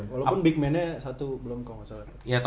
walaupun big man nya satu belum kalo ga salah